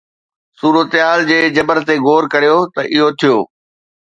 صورتحال جي جبر تي غور ڪريو ته اهو ٿيو.